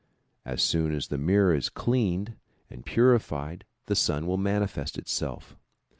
As soon as the mirror is cleaned and purified the sun will manifest itself.